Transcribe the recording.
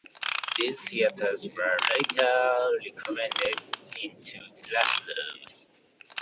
These theaters were later remodeled into classrooms.